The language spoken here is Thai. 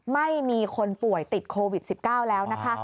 ไม่มีคนป่วยติดโควิด๑๙แล้วนะคะ